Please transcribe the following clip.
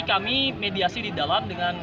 kami apresiasi ya